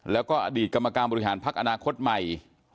แล้วก็อดีตกรรมการบริหารพักอนาคตใหม่